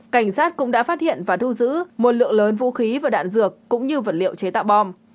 cảnh sát cũng đã phát hiện và thu giữ một lượng lớn vũ khí và đạn dược cũng như vật liệu chế tạo bom